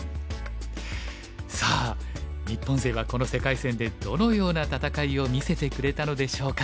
さあ日本勢はこの世界戦でどのような戦いを見せてくれたのでしょうか。